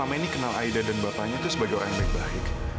om eni kenal aida dan bapaknya itu sebagai orang baik baik